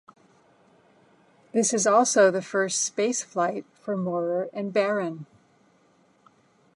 This is also the first spaceflight for Maurer and Barron.